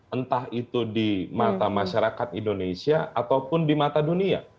entah itu di mata masyarakat indonesia ataupun di mata dunia